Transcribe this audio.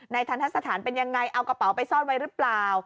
ทันทะสถานเป็นยังไงเอากระเป๋าไปซ่อนไว้หรือเปล่า